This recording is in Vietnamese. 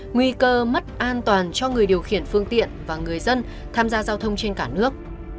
nguy cơ mất an toàn cho người điều khiển phương tiện và người dân tham gia giao thông trên cả nước